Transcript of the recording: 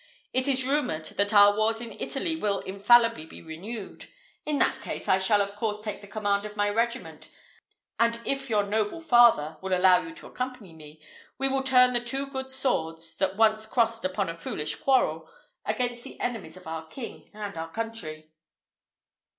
It is rumoured that our wars in Italy will infallibly be renewed: in that case, I shall of course take the command of my regiment; and if your noble father will allow you to accompany me, we will turn the two good swords, that once crossed upon a foolish quarrel, against the enemies of our king and our country."